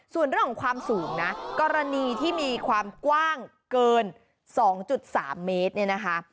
ส่วนเรื่องของความสูงนะกรณีที่มีความกว้างเกิน๒๓เมตรเนี่ยนะคะ